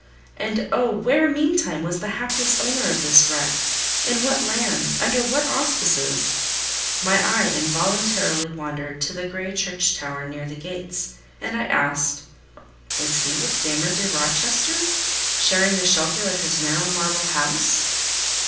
And oh! where meantime was the hapless owner of this wreck? In what land? Under what auspices? My eye involuntarily wandered to the grey church tower near the gates, and I asked, "Is he with Damer de Rochester, sharing the shelter of his narrow marble house?"